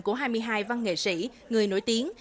của hai mươi hai văn nghệ sĩ người nổi tiếng